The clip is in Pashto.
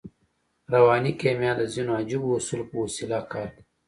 رواني کیمیا د ځينو عجیبو اصولو په وسیله کار کوي